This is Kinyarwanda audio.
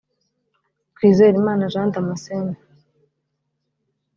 Twizerimana Jean Damascène